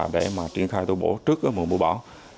để mà triển khai tu bổ trước mùa mưa bão